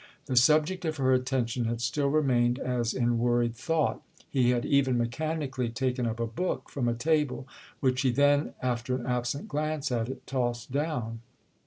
The subject of her attention had still remained as in worried thought; he had even mechanically taken up a book from a table—which he then, after an absent glance at it, tossed down.